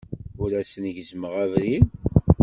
Ur asen-gezzmeɣ abrid.